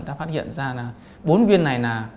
đã phát hiện ra là bốn viên này là